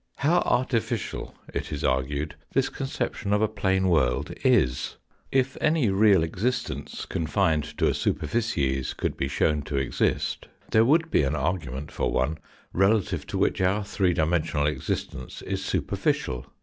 How artificial, it is argued, this conception of a plane world is. If any real existence confined to a superficies could be shown to exist, there would be an argument for one relative to which our three dimensional existence is superficial.